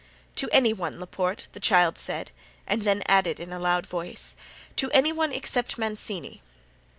"To any one, Laporte," the child said; and then added in a loud voice, "to any one except Mancini."